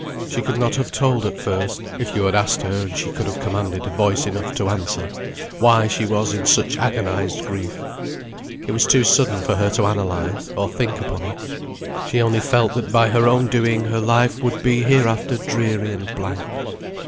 She could not have told at first (if you had asked her, and she could have commanded voice enough to answer) why she was in such agonised grief. It was too sudden for her to analyse, or think upon it. She only felt that by her own doing her life would be hereafter dreary and blank.